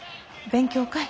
勉強会。